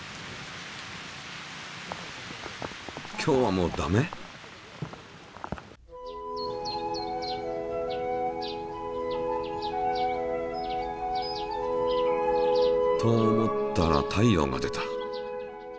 今日はもうダメ？と思ったら太陽が出た。